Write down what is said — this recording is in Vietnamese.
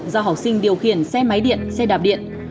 do học sinh điều khiển xe máy điện xe đạp điện